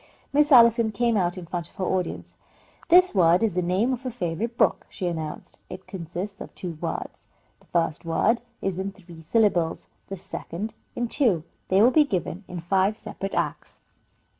Miss Allison came out in front of her audience. "This word is the name of a favourite book," she announced. "It consists of two words. The first word is in three syllables, the second in two. They will be given in five separate acts."